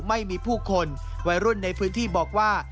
ไม่มีผู้คนวัยรุ่นในพื้นที่บอกว่า